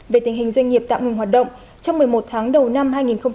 về tình hình doanh nghiệp tạm ngừng hoạt động trong một mươi một tháng đầu năm hai nghìn hai mươi